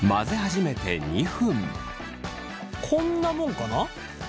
こんなもんかな。